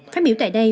phát biểu tại đây